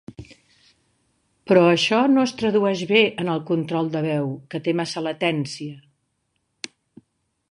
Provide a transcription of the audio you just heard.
Però això no es tradueix bé en el control de veu, que té massa latència.